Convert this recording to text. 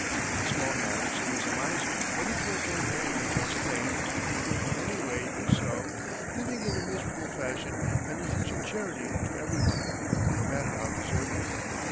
In small matters he was a miser, ready to avoid paying a just claim if he could in any way do so, living in a miserable fashion and refusing charity to every one, no matter how deserving.